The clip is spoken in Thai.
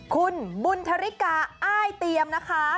คุณบุณทริกาไอ้เตียมนะคะ